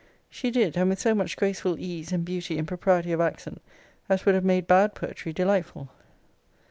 She did; and with so much graceful ease, and beauty, and propriety of accent, as would have made bad poetry delightful.